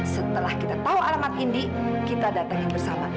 setelah kita tau alamat indi kita datangin bersama